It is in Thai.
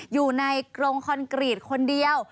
อยู่ในกรงคอนกรีตคนเดียว